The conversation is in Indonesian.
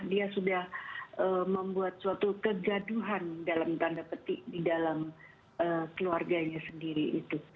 dia sudah membuat suatu kegaduhan dalam tanda petik di dalam keluarganya sendiri itu